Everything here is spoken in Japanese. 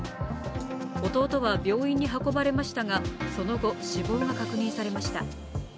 弟は病院に運ばれましたがその後、死亡が確認されました。